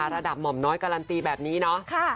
หม่อมน้อยการันตีแบบนี้เนาะ